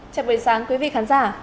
chào buổi sáng quý vị khán giả